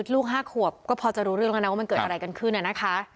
ลูก๕ขวบก็พอจะรู้เรื่องแล้วนะว่ามันเกิดอะไรกันขึ้นนะคะ